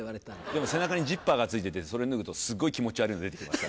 でも背中にジッパーが付いててそれ脱ぐとすごい気持ち悪いの出てきます